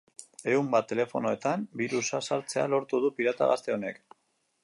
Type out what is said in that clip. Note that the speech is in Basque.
Ehun bat telefonoetan birusa sartzea lortu du pirata gazte honek.